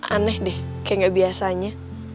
aneh deh kayak gak biasanya